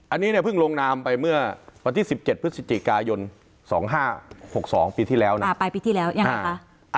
อันนี้เนี่ยเพิ่งลงนามไปเมื่อวันที่๑๗พฤศจิกายน๒๕๖๒ปีที่แล้วนะปลายปีที่แล้วยังไงคะ